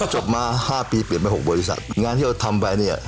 จบมา๕ปีเปลี่ยนไป๖บริษัทงานที่เราทำไปเนี่ย